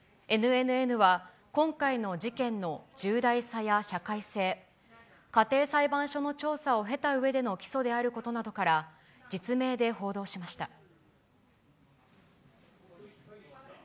ＮＮＮは、今回の事件の重大さや社会性、家庭裁判所の調査を経たうえでの起訴であることなどから、実名で報道しました。